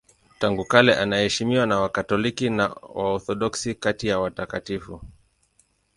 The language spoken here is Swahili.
Tangu kale anaheshimiwa na Wakatoliki na Waorthodoksi kati ya watakatifu.